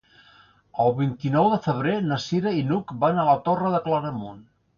El vint-i-nou de febrer na Cira i n'Hug van a la Torre de Claramunt.